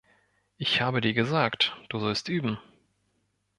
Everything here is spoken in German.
Ich habe dir gesagt, du sollst üben.